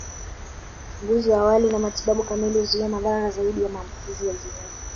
Uchunguzi wa awali na matibabu kamili huzuia madhara zaidi ya maambukizi ya zinaa